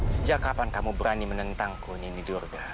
sejak kapan kamu berani menentangku nindy durga